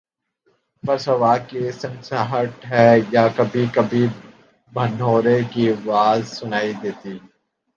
بس ہوا کی سنسناہٹ ہے یا کبھی کبھی بھنورے کی آواز سنائی دیتی